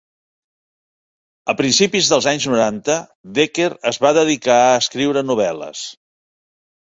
A principis dels anys noranta, Dekker es va dedicar a escriure novel·les.